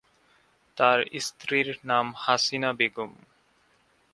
তাঁর স্ত্রীর নাম হাসিনা বেগম।